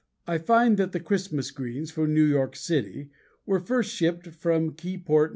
I find that the Christmas greens for New York City were first shipped from Keyport, N.